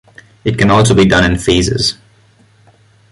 It can also be done in phases.